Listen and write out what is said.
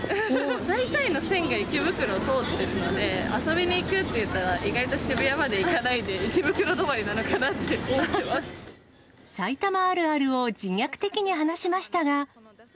大体の線が池袋を通ってるので、遊びに行くっていったら、意外と渋谷まで行かないで、池袋止まりなのかなって思ってま埼玉あるあるを自虐的に話しましたが。